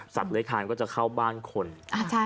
สัตว์เลยทานก็จะเข้าบ้านคนอ่าใช่